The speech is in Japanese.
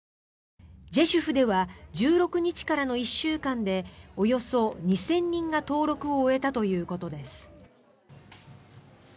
ジェシュフでは１６日からの１週間でおよそ２０００人が登録を終えたということです。